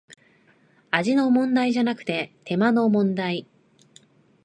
味の問題じゃなく手間の問題